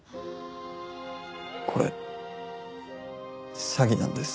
これ詐欺なんです。